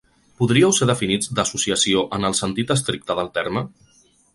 Podríeu ser definits d’associació en el sentit estricte del terme?